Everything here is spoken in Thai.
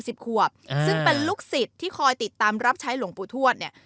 ซึ่งเป็นลูกศิษย์ที่คอยติดตามรับใช้หลวงปูทวช